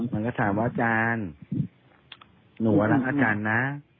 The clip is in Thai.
มันก็ถามว่าอาจารย์หนูว่ารักอาจารย์นะ